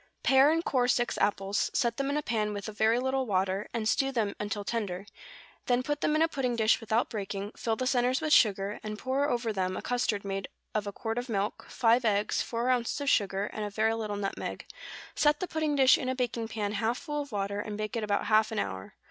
= Pare and core six apples; set them in a pan with a very little water, and stew them until tender; then put them in a pudding dish without breaking, fill the centres with sugar, and pour over them a custard made of a quart of milk, five eggs, four ounces of sugar, and a very little nutmeg; set the pudding dish in a baking pan half full of water, and bake it about half an hour.